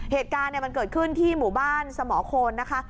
เหตุการณ์มันเกิดขึ้นที่หมู่บ้านสมโคนนะคะ